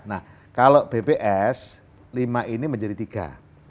nah kalau bps lima ini menjadi tiga